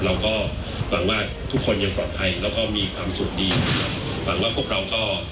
เราก็หวังว่าทุกคนยังปลอดภัยแล้วก็มีความสุขดีหวังว่าพวกเราก็